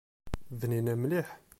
Bnin mliḥ!